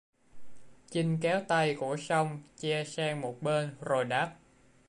Chinh kéo tay của song che sang một bên rồi đáp